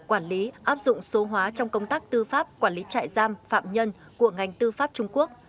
quản lý áp dụng số hóa trong công tác tư pháp quản lý trại giam phạm nhân của ngành tư pháp trung quốc